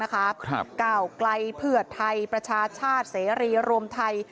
ก้าวกลัยเพือทไทยประชาชาทเสรีร่วมไทย